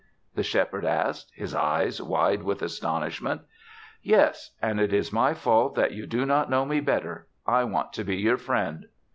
the Shepherd asked, his eyes wide with astonishment. "Yes, and it is my fault that you do not know me better. I want to be your friend."